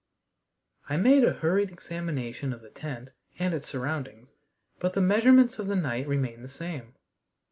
I made a hurried examination of the tent and its surroundings, but the measurements of the night remained the same.